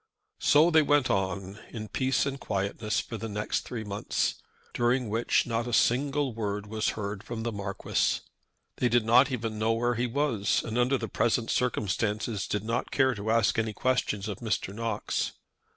So they went on in peace and quietness for the next three months, during which not a single word was heard from the Marquis. They did not even know where he was, and under the present circumstances did not care to ask any questions of Mr. Knox.